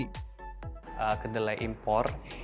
kedelai ini adalah kedelai yang diperlukan untuk menjaga kemampuan